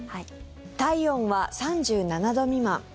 体温は３７度未満。